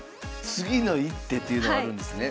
「次の一手」っていうのがあるんですね。